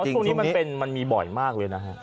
เพราะว่าทุกวันนี้มันเป็นมันมีบ่อยมากเลยนะครับ